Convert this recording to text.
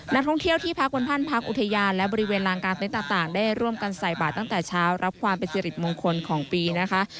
นักท่องเที่ยวที่พักบนบ้านพักอุทยานและบริเวณลานกลางเต็นต์ต่างได้ร่วมกันใส่บาทตั้งแต่เช้ารับความเป็นสิริมงคลของปีนะคะ